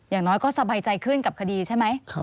อย่างน้อยก็สบายใจขึ้นกับคดีใช่ไหม